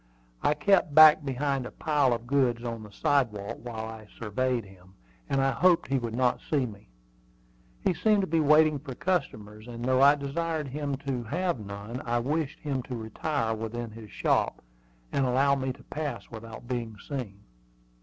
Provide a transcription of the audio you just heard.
I kept back behind a pile of goods on the sidewalk while I surveyed him, and I hoped he would not see me. He seemed to be waiting for customers; and though I desired him to have none, I wished him to retire within his shop, and allow me to pass without being seen.